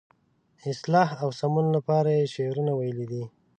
اصلاح او سمون لپاره یې شعرونه ویلي دي.